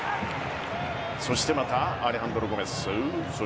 そしてまたアレハンドロ・ゴメス。